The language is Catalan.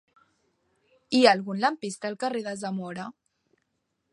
Hi ha algun lampista al carrer de Zamora?